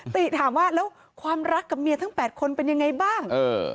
ติถามว่าแล้วความรักกับเมียทั้ง๘คนเป็นยังไงบ้าง